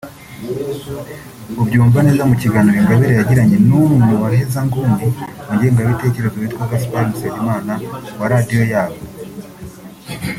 ubyumva neza mu kiganiro Ingabire yagiranye n’umwe mu bahezanguni mu ngengabitekerezo witwa Gaspard Musabyimana wa Radiyo yabo